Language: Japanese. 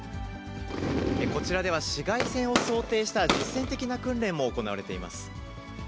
こちらでは市街戦を想定した実戦的な訓練も行われています。